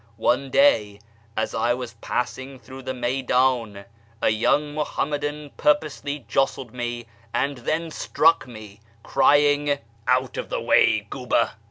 One day, as I was passing through the mcijcldn, a young Muhammadan purposely jostled me and then struck me, crying, ' Out of the way, guebre